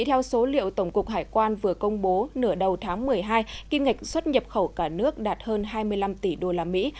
theo số liệu tổng cục hải quan vừa công bố nửa đầu tháng một mươi hai kim ngạch xuất nhập khẩu cả nước đạt hơn hai mươi năm tỷ đô la mỹ